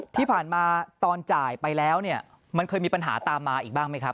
ที่ผ่านมาตอนจ่ายไปแล้วเนี่ยมันเคยมีปัญหาตามมาอีกบ้างไหมครับ